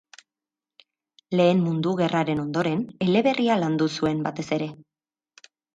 Lehen Mundu Gerraren ondoren, eleberria landu zuen, batez ere.